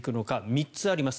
３つあります。